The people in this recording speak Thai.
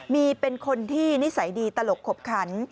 มีเป็นคนที่นิสัยดีตลกขบขัน